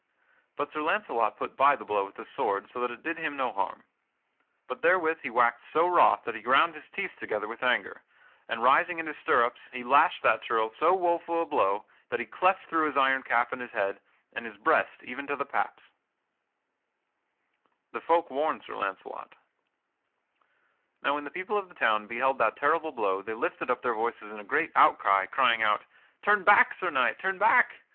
But Sir Launcelot put by the blow with his sword so that it did him no harm. But therewith he waxed so wroth that he ground his teeth together with anger, and, rising in his stirrups, he lashed that churl so woeful a blow that he cleft through his iron cap and his head and his breast even to the paps. [Sidenote: The folk warn Sir Launcelot] Now when the people of the town beheld that terrible blow they lifted up their voices in a great outcry, crying out: "Turn back, Sir Knight! Turn back!